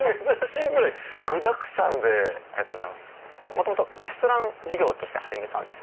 元々レストラン事業として始めたんです。